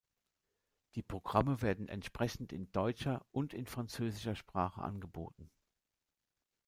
Die Programme werden entsprechend in deutscher und in französischer Sprache angeboten.